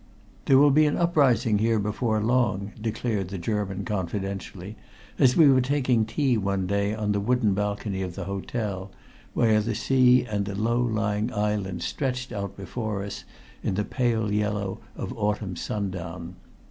"There will be an uprising here before long," declared the German confidentially, as we were taking tea one day on the wooden balcony of the hotel where the sea and the low lying islands stretched out before us in the pale yellow of the autumn sundown.